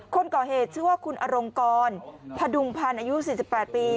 คนก่อเหตุชื่อว่าคุณอรงกรพดุงพันธ์อายุ๔๘ปี